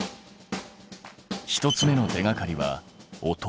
１つ目の手がかりは音。